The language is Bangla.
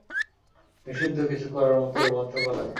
নিষিদ্ধ কিছু করার মতো রোমাঞ্চকর লাগে।